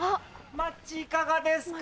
マッチいかがですか？